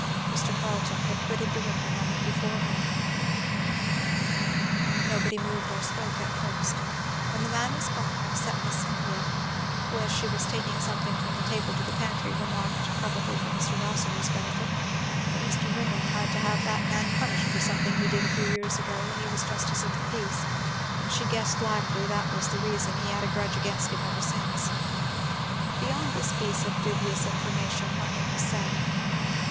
Mr. Carleton had quitted the room a moment before him. Nobody moved or spoke at first, when the man was gone, except Miss Cynthia, who as she was taking something from the table to the pantry remarked, probably for Mr. Rossitur's benefit, that "Mr. Ringgan had to have that man punished for something he did a few years ago when he was justice of the peace, and she guessed likely that was the reason he had a grudge agin him ever since." Beyond this piece of dubious information nothing was said.